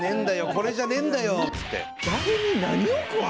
これじゃねえんだよ」っつって。